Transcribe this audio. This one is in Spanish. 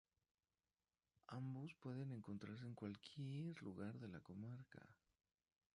Ambos pueden encontrarse en cualquier lugar de la comarca.